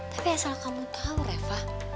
tapi asal kamu tahu reva